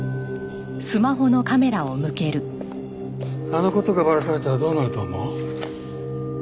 あの事がバラされたらどうなると思う？